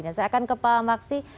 saya akan ke pak maksi